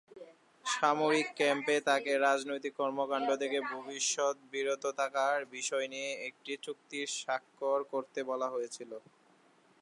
সামরিক ক্যাম্পে তাকে রাজনৈতিক কর্মকাণ্ড থেকে ভবিষ্যতে বিরত থাকার বিষয় নিয়ে একটি চুক্তি স্বাক্ষর করতে বলা হয়েছিল।